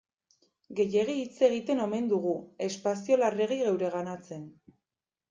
Gehiegi hitz egiten omen dugu, espazio larregi geureganatzen.